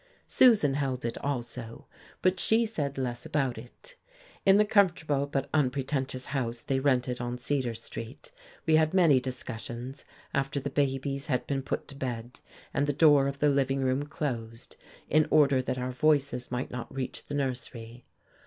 Susan held it also, but she said less about it. In the comfortable but unpretentious house they rented on Cedar Street we had many discussions, after the babies had been put to bed and the door of the living room closed, in order that our voices might not reach the nursery.